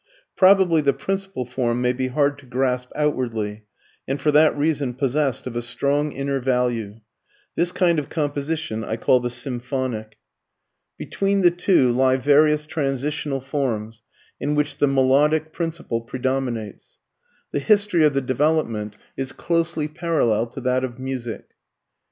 Probably the principal form may be hard to grasp outwardly, and for that reason possessed of a strong inner value. This kind of composition I call the SYMPHONIC. Between the two lie various transitional forms, in which the melodic principle predominates. The history of the development is closely parallel to that of music.